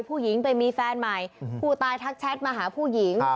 ผู้หญิงไปมีแฟนใหม่ผู้ตายทักแชทมาหาผู้หญิง